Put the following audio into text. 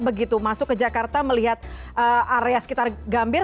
begitu masuk ke jakarta melihat area sekitar gambir